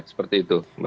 seperti itu mbak